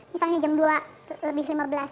misalnya jam dua lebih lima belas